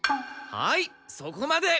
はいそこまで！